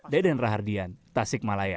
deden rahardian tasik malaya